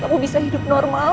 kamu bisa hidup normal